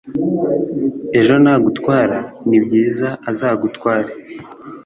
ejo nagutwara, ni byiza, azagutware